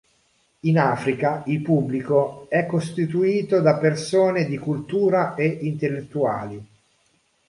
In Africa il pubblico è costituito da persone di cultura e intellettuali.